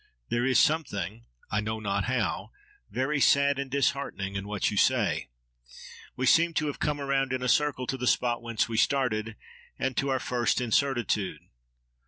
—There is something, I know not how, very sad and disheartening in what you say. We seem to have come round in a circle to the spot whence we started, and to our first incertitude.